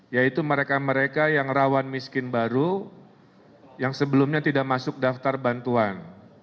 yaitu mereka mereka yang rawan miskin baru yang sebelumnya tidak masuk daftar bantuan